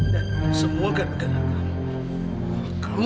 dan semua gara gara kamu